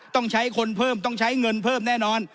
ต้องใช้คนเพิ่มต้องใช้เงินเพิ่มแน่นอน